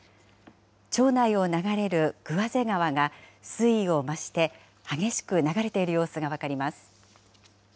町内を流れる桑瀬川が水位を増して、激しく流れている様子が分かります。